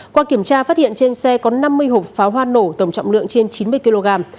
qua kiểm tra phát hiện trên xe có năm mươi hộp pháo hoa nổ tổng trọng lượng trên chín mươi kg